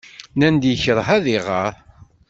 Nnan-d yekṛeh ad iɣer.